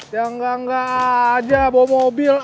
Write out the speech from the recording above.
ya enggak enggak aja bawa mobil